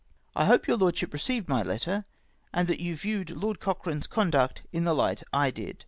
" I hope your Lordship received my letter, and that you viewed Lord Cochrane's conduct in the light I did.